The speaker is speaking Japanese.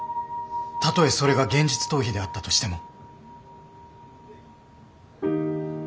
たとえそれが現実逃避であったとしても。